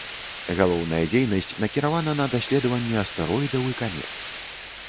Галоўная дзейнасць накіравана на даследаванне астэроідаў і камет.